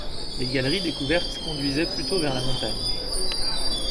Les galeries découvertes conduisaient plutôt vers la montagne.